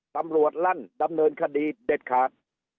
ลั่นดำเนินคดีเด็ดขาด